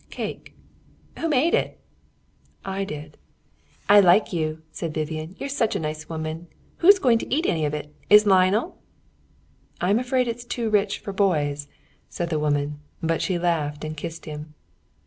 "Cake." "Who made it?" "I did." "I like you," said Vivian. "You're such a nice woman. Who's going to eat any of it? Is Lionel?" "I'm afraid it's too rich for boys," said the woman, but she laughed and kissed him.